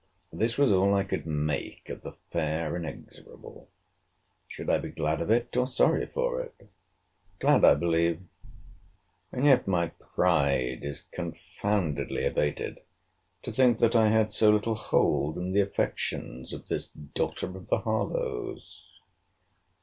This was all I could make of the fair inexorable. Should I be glad of it, or sorry for it?— Glad I believe: and yet my pride is confoundedly abated, to think that I had so little hold in the affections of this daughter of the Harlowes.